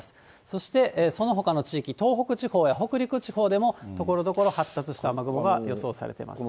そしてそのほかの地域、東北地方や北陸地方でも、ところどころ発達した雨雲が予想されてます。